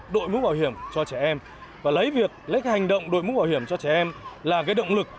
đội mũ bảo hiểm cho trẻ em và lấy việc lấy hành động đội mũ bảo hiểm cho trẻ em là động lực